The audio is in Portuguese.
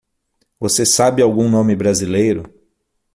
Você sabe algum nome brasileiro?